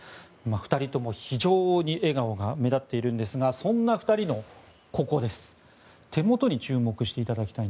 ２人とも、非常に笑顔が目立っているんですがそんな２人の手元に注目してください。